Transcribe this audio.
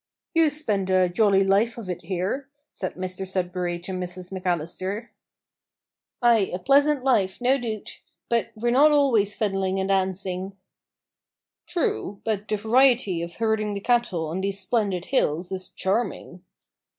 "You spend a jolly life of it here," said Mr Sudberry to Mrs McAllister. "Ay, a pleasant life, no doot; but we're not always fiddling and dancing." "True, but the variety of herding the cattle on these splendid hills is charming."